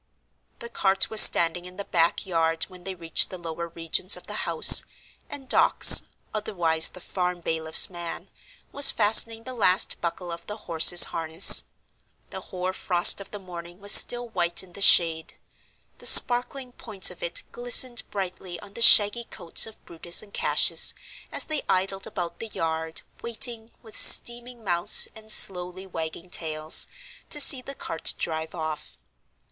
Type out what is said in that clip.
The cart was standing in the back yard when they reached the lower regions of the house, and Dawkes (otherwise the farm bailiff's man) was fastening the last buckle of the horse's harness. The hoar frost of the morning was still white in the shade. The sparkling points of it glistened brightly on the shaggy coats of Brutus and Cassius, as they idled about the yard, waiting, with steaming mouths and slowly wagging tails, to see the cart drive off.